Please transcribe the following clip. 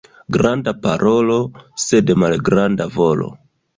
Granda parolo, sed malgranda volo.